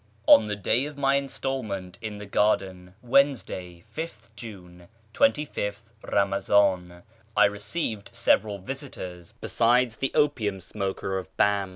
On the day of my instalment in the garden {Wednesday, ^th June, 25th Bamazdn) I received several visitors besides the opium smoker of Bam.